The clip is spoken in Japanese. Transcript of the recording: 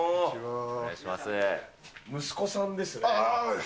息子さんですよね？